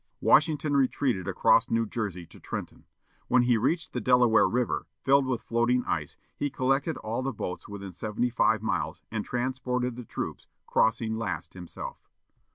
Washington retreated across New Jersey to Trenton. When he reached the Delaware River, filled with floating ice, he collected all the boats within seventy miles, and transported the troops, crossing last himself.